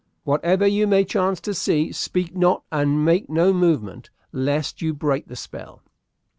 Whatever you may chance to see, speak not and make no movement, lest you break the spell."